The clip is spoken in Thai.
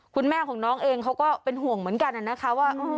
คุณแม่ของน้องเองเขาก็เป็นห่วงเหมือนกันนะคะว่า